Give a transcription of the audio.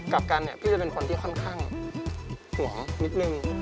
กลับกันเนี่ยพี่จะเป็นคนที่ค่อนข้างห่วงนิดนึง